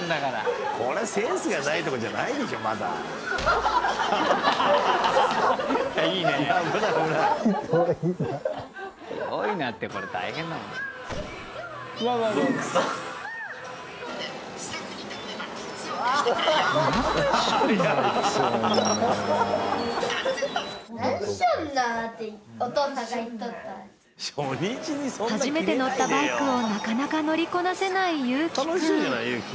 初めて乗ったバイクをなかなか乗りこなせない侑樹くん。